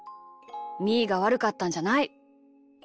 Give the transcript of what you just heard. みーがわるかったんじゃない。